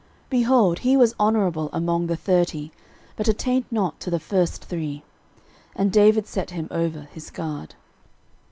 13:011:025 Behold, he was honourable among the thirty, but attained not to the first three: and David set him over his guard.